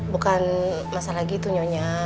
bukan masalah gitu nyonya